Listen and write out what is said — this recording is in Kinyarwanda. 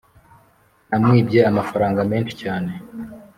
namwibye amafaranga menshi cyane